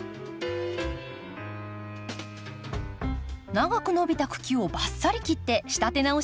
長く伸びた茎をバッサリ切って仕立て直しました。